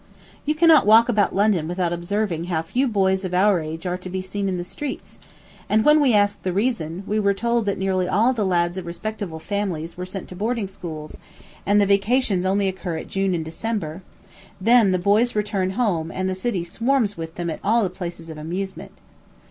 You cannot walk about London without observing how few boys of our age are to be seen in the streets, and when we asked the reason, we were told that nearly all the lads of respectable families were sent to boarding schools, and the vacations only occur at June and December; then the boys return home, and the city swarms with them at all the places of amusement.